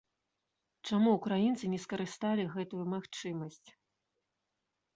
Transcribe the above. Чаму украінцы не скарысталі гэтую магчымасць?